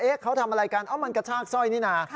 เขาทำอะไรกันมันกระชากสร้อยนี่นะ